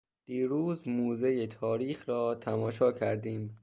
دیروز موزهٔ تاریخ را تماشا کردیم.